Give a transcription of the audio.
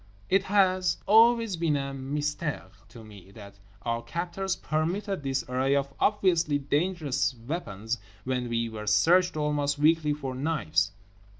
It has always been a mystère to me that our captors permitted this array of obviously dangerous weapons when we were searched almost weekly for knives.